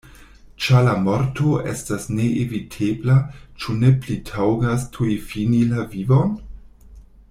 Ĉar la morto estas neevitebla, ĉu ne pli taŭgas tuj fini la vivon?